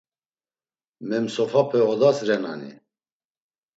Memsofape odas renani?